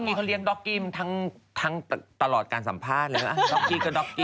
มีคนเรียนดอกกี้มันทั้งตลอดการสัมภาษณ์เลยดอกกี้ก็ดอกกี้